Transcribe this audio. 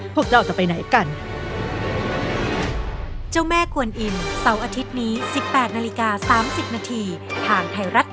พวกเราจะไปไหนกัน